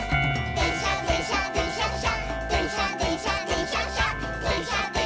「でんしゃでんしゃでんしゃっしゃ」